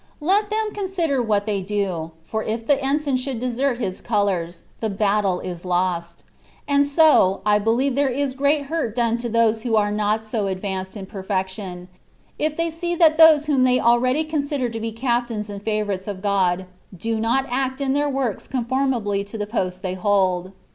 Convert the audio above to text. Let them consider what they do, for if the en sign should desert his colours, the battle is lost ; and so, I beheve there is great hurt done to those others who are not so advanced (in perfection), if they see that those whom they already consider to be captains and favourites of God, do not act in their works conformably to the post they hold.